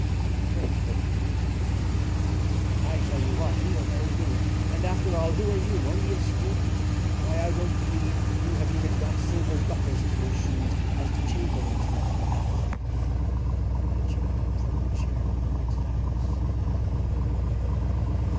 "Ungrateful!" said the girl. "I tell you what, you are very rude; and, after all, who are you? Only a Student. Why, I don't believe you have even got silver buckles to your shoes as the Chamberlain's nephew has"; and she got up from her chair and went into the house.